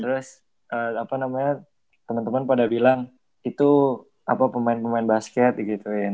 terus apa namanya temen temen pada bilang itu apa pemain pemain basket gituin